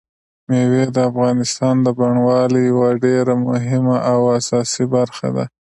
مېوې د افغانستان د بڼوالۍ یوه ډېره مهمه او اساسي برخه ده.